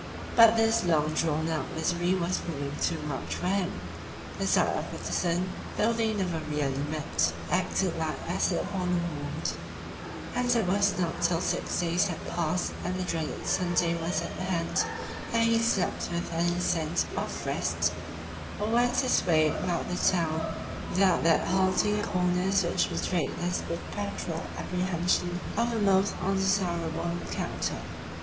But this long drawn out misery was proving too much for him. The sight of Brotherson, though they never really met, acted like acid upon a wound, and it was not till six days had passed and the dreaded Sunday was at hand, that he slept with any sense of rest or went his way about the town without that halting at the corners which betrayed his perpetual apprehension of a most undesirable encounter.